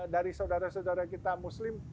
dari saudara saudara kita muslim